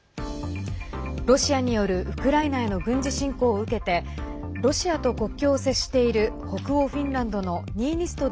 ロシアによるウクライナへの軍事侵攻を受けてロシアと国境を接している北欧フィンランドのニーニスト